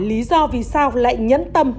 lý do vì sao lại nhấn tâm